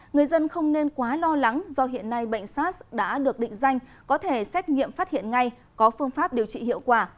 người dân không nên quá lo lắng do hiện nay bệnh sars đã được định danh có thể xét nghiệm phát hiện ngay có phương pháp điều trị hiệu quả